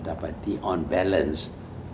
dapati on balance